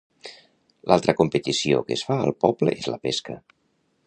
L'altra competició que es fa al poble és la pesca.